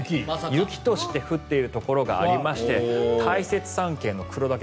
雪として降っているところがありまして大雪山系の黒岳